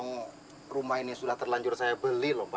uang rumah ini sudah terlanjur saya beli lho mba